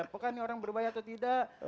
apakah ini orang berbahaya atau tidak